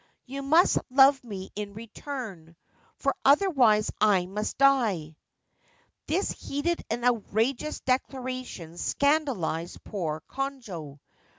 You must love me in return ; for otherwise I must die !' This heated and outrageous declaration scandalised poor Konojo.